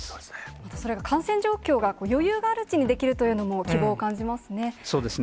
また感染状況が余裕があるうちにできるというのも、希望を感じますね。